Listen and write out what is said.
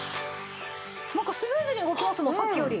なんかスムーズに動きますもんさっきより。